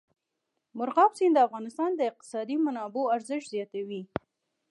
مورغاب سیند د افغانستان د اقتصادي منابعو ارزښت زیاتوي.